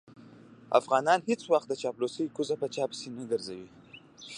افغانان هېڅ وخت د چاپلوسۍ کوزه په چا پسې نه ګرځوي.